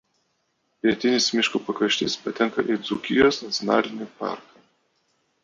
Pietinis miškų pakraštys patenka į Dzūkijos nacionalinį parką.